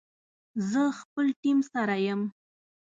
زه خپل ټیم سره یم